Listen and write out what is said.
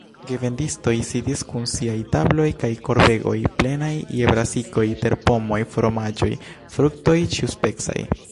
Gevendistoj sidis kun siaj tabloj kaj korbegoj plenaj je brasikoj, terpomoj, fromaĝoj, fruktoj ĉiuspecaj.